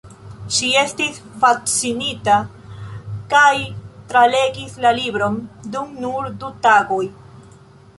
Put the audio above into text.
Ŝi estis fascinita kaj tralegis la libron dum nur du tagoj.